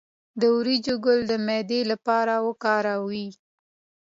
د وریجو ګل د معدې لپاره وکاروئ